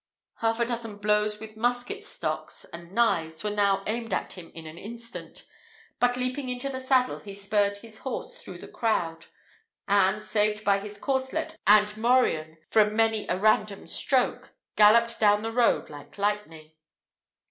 Half a dozen blows with musket stocks and knives were now aimed at him in an instant; but leaping into the saddle, he spurred his horse through the crowd, and, saved by his corslet and morion from many a random stroke, galloped down the road like lightning.